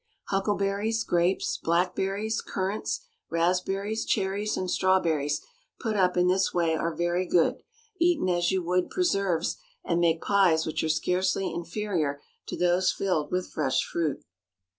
Huckleberries, grapes, blackberries, currants, raspberries, cherries, and strawberries put up in this way are very good, eaten as you would preserves, and make pies which are scarcely inferior to those filled with fresh fruit.